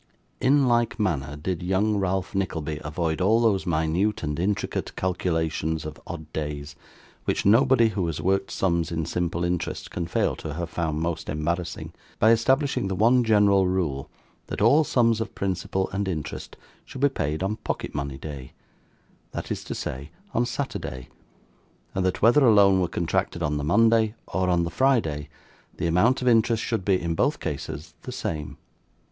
In like manner, did young Ralph Nickleby avoid all those minute and intricate calculations of odd days, which nobody who has worked sums in simple interest can fail to have found most embarrassing, by establishing the one general rule that all sums of principal and interest should be paid on pocket money day, that is to say, on Saturday: and that whether a loan were contracted on the Monday, or on the Friday, the amount of interest should be, in both cases, the same.